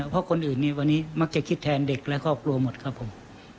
เพราะคนอื่นวันนี้มักจะคิดแทนเด็กและครอบครัวหมดครับผม